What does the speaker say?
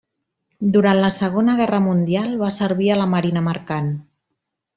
Durant la segona guerra mundial va servir a la marina mercant.